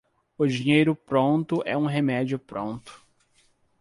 O dinheiro pronto é um remédio pronto.